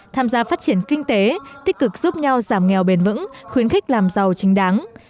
tham gia phát triển kinh tế tích cực giúp nhau giảm nghèo bền vững khuyến khích làm giàu chính đáng